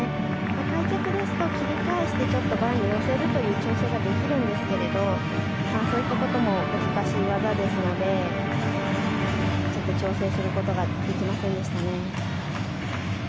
開脚ですと切り返してバーに寄せるという調整ができるんですけれどそういったことも難しい技ですのでちょっと調整することができませんでしたね。